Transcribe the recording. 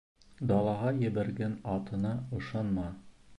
Далаға ебәргән атыңа ышанма.